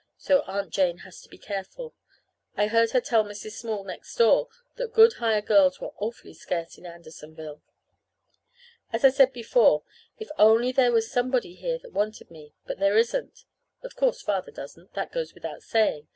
So Aunt Jane has to be careful. I heard her tell Mrs. Small next door that good hired girls were awfully scarce in Andersonville. As I said before, if only there was somebody here that wanted me. But there isn't. Of course Father doesn't. That goes without saying.